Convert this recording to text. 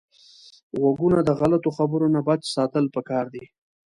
غوږونه د غلطو خبرو نه بچ ساتل پکار دي